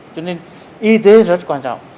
cho nên y tế rất quan trọng